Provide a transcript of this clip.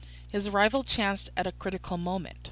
His arrival chanced at a critical moment.